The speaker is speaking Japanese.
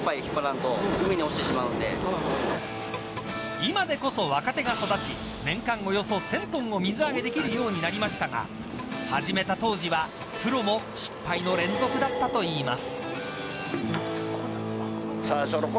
今でこそ若手が育ち年間およそ１０００トンを水揚げできるようになりましたが始めた当時はプロも失敗の連続だったといいます。